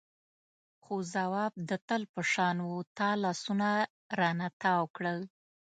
خو ځواب د تل په شان و تا لاسونه رانه تاو کړل.